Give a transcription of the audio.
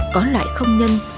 có loại không nhân